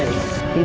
ada apa ini